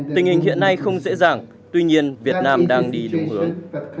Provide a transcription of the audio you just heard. tình hình hiện nay không dễ dàng tuy nhiên việt nam đang đi đúng hướng